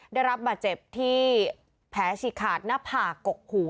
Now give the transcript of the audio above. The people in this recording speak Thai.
ได้รับบาดเจ็บที่แผลฉีกขาดหน้าผากกหู